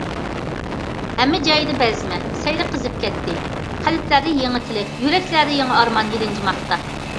ھەممە جايدا بەزمە، سەيلە قىزىپ كەتتى، قەلبلەردە يېڭى تىلەك، يۈرەكلەردە يېڭى ئارمان يېلىنجىماقتا.